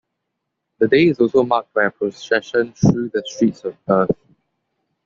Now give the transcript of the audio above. The day is also marked by a procession through the streets of Perth.